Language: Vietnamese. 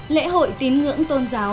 lễ hội tín ngưỡng tôn giáo